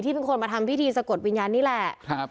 เป็นคนมาทำพิธีสะกดวิญญาณนี่แหละ